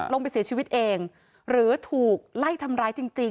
ลงไปเสียชีวิตเองหรือถูกไล่ทำร้ายจริง